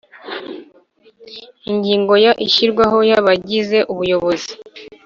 Ingingo ya ishyirwaho ry abagize ubuyobozi